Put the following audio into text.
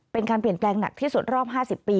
เป็นการเปลี่ยนแปลงหนักที่สุดรอบ๕๐ปี